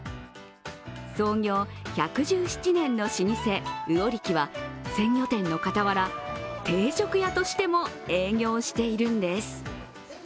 創業１１７年の老舗、魚力は鮮魚店の傍ら、定食屋としても営業しているんです。